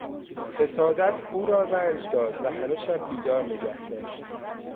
حسادت او را رنج داد و همه شب بیدار نگه داشت.